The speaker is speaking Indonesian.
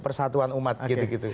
persatuan umat gitu gitu